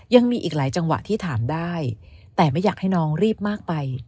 ยังมีอีกหลายจังหวะที่ถามได้แต่ไม่อยากให้น้องรีบมากไป